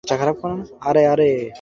আরে, আরে।